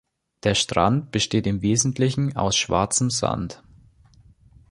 Der Strand besteht im Wesentlichen aus schwarzem Sand.